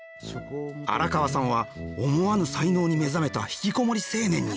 荒川さんは思わぬ才能に目覚めた引きこもり青年に！